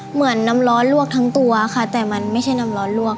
เหมือนน้ำร้อนลวกทั้งตัวค่ะแต่มันไม่ใช่น้ำร้อนลวก